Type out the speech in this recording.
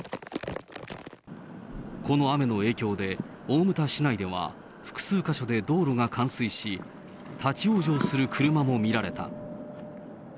この雨の影響で、大牟田市内では、複数箇所で道路が冠水し、立往生する車も見られた。